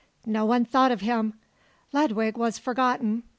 No one thought of him. Ludwig was forgotten.